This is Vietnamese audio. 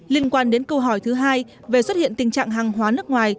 liên quan đến câu hỏi thứ hai về xuất hiện tình trạng hàng hóa nước ngoài